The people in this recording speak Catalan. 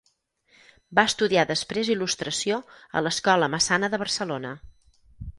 Va estudiar després Il·lustració a l'Escola Massana de Barcelona.